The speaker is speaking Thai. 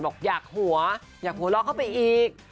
บอกอยากหัวอยากหัวเราะเข้าไปอีก